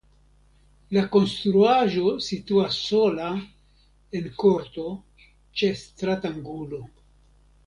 La konstruaĵo situas sola en korto ĉe stratangulo.